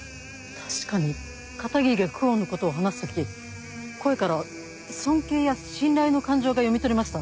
確かに片桐が久遠のことを話す時声から尊敬や信頼の感情が読み取れました。